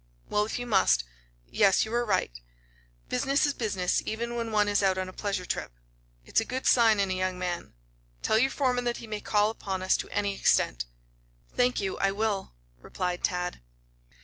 "Well, if you must. Yes; you are right. Business is business, even when one is out on a pleasure trip. It's a good sign in a young man. Tell your foreman that he may call upon us to any extent." "Thank you, I will," replied Tad.